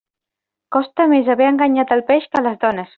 Costa més haver enganyat el peix que les dones.